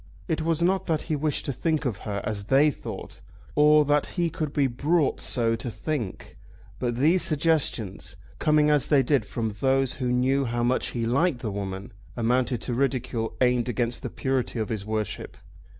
It was not that he wished to think of her as they thought, or that he could be brought so to think; but these suggestions, coming as they did from those who knew how much he liked the woman, amounted to ridicule aimed against the purity of his worship.